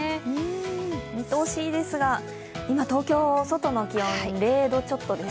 見通しいいですが、今、東京、外の気温は０度ちょっとです。